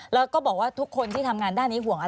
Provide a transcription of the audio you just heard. แล้วก็บอกว่าทุกคนที่ทำงานด้านนี้ห่วงอะไร